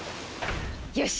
よし！